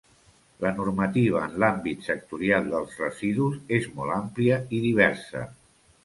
La normativa en l'àmbit sectorial dels residus és molt àmplia i diversa.